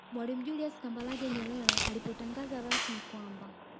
Mwalimu Julius Kambarage Nyerere alipotangaza rasmi ya kwamba